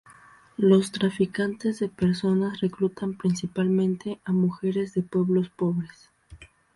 Los traficantes de personas reclutan principalmente a mujeres de pueblos pobres.